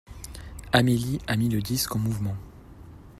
Amélie a mis le disque en mouvement.